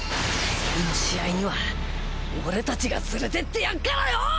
次の試合には俺たちが連れてってやっからよ！